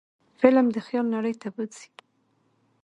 فلم د خیال نړۍ ته بوځي